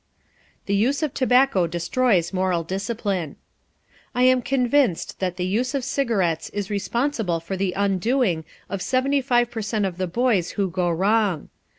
THE USE OF TOBACCO DESTROYS MORAL DISCIPLINE I am convinced that the use of cigarettes is responsible for the undoing of seventy five per cent. of the boys who go wrong.